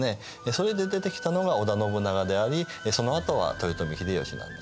それで出てきたのが織田信長でありそのあとは豊臣秀吉なんですね。